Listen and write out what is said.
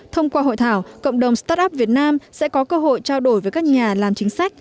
thông qua hội thảo cộng đồng start up việt nam sẽ có cơ hội trao đổi với các nhà làm chính sách